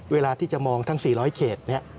เวลาที่จะมองทั้ง๔๐๐เขต